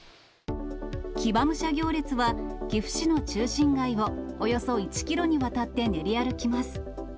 騎馬武者行列は、岐阜市の中心街をおよそ１キロにわたって練り歩きます。